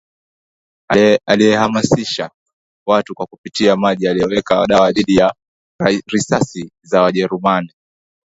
aliyewahamisisha watu kwa kupitia maji aliyoyaweka dawa dhidi ya risasi za Wajerumani